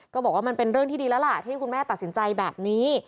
บอกว่ามันเป็นเรื่องที่ดีแล้วล่ะที่คุณแม่ตัดสินใจแบบนี้